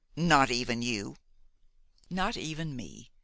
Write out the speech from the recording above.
"Not even you?" "Not even me.